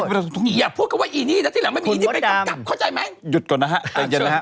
ก็ว่าอีนี้นะที่หลังไม่มีอีนี้ไปกล้ามกลับเข้าใจไหมหยุดก่อนนะฮะจังเย็นนะฮะ